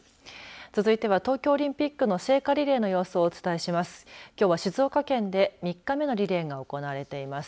続いては、東京オリンピックの聖火リレーの様子をお伝えします。